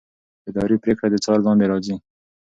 اداري پرېکړه د څار لاندې راځي.